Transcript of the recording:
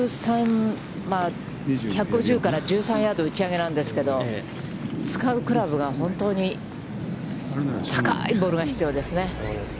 １５０から１３ヤード打ち上げなんですけど、使うクラブが本当に高いボールが必要ですね。